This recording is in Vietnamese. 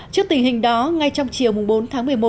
trước tình hình đó ngay trong chiều bốn tháng một mươi một